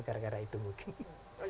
gara gara itu mungkin